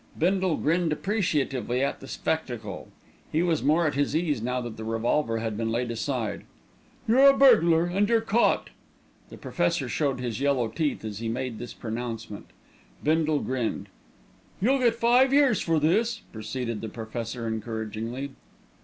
Bindle grinned appreciatively at the spectacle. He was more at his ease now that the revolver had been laid aside. "You're a burglar, and you're caught." The Professor showed his yellow teeth as he made this pronouncement. Bindle grinned. "You'll get five years for this," proceeded the Professor encouragingly.